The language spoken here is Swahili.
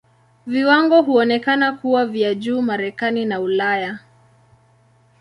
Viwango huonekana kuwa vya juu Marekani na Ulaya.